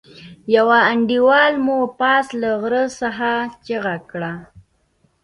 يوه انډيوال مو پاس له غره څخه چيغه کړه.